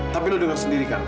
tapi lo dengar sendiri kan